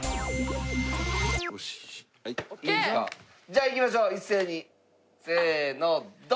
じゃあいきましょう一斉に。